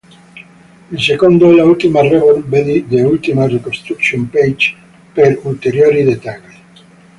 Il secondo è Ultima Reborn Vedi The Ultima Reconstruction page per ulteriori dettagli.